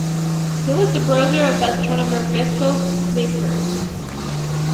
He was the brother of astronomer Vesto Slipher.